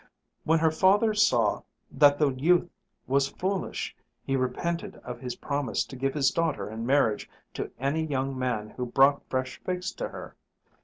When her father saw that the youth was foolish, he repented of his promise to give his daughter in marriage to any young man who brought fresh figs to her.